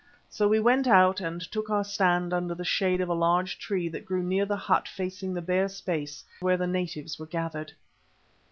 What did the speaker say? So we went out and took our stand under the shade of a large tree that grew near the hut facing the bare space where the natives were gathered.